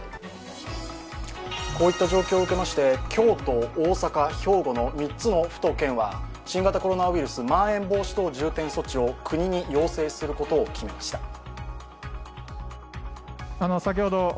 こういった状況を受けまして、京都、大阪、兵庫の３府県が新型コロナウイルスまん延防止等重点措置を国に要請することを決めました。